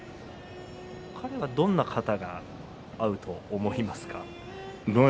彼は、どんな型が合うと思いますか。